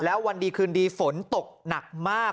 แล้ววันดีคืนดีฝนตกหนักมาก